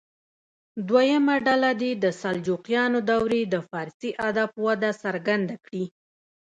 دویمه ډله دې د سلجوقیانو دورې د فارسي ادب وده څرګنده کړي.